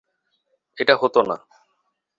এটা হতো না।